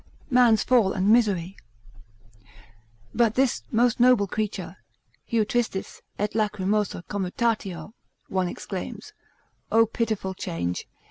Man's Fall and Misery.] But this most noble creature, Heu tristis, et lachrymosa commutatio (one exclaims) O pitiful change!